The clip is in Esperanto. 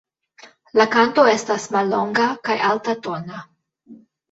La kanto estas mallonga kaj altatona.